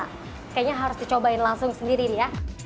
kayaknya harus dicobain langsung sendiri nih ya